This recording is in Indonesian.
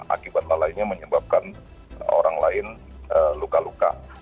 akibat lalainya menyebabkan orang lain luka luka